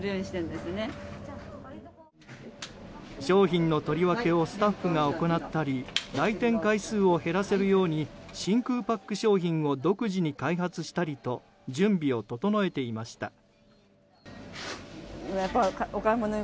商品の取り分けをスタッフが行ったり来店回数を減らせるように真空パック商品を独自に開発したりと準備を整えていました。